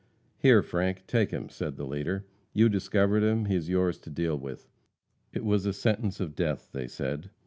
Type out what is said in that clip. "Here, Frank, take him," said the leader. "You discovered him; he is yours to deal with." It was a sentence of death, they said.